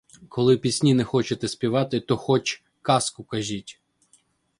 Коли пісні не хочете співати, то хоч казку кажіть!